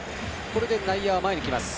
これで内野は前に来ます。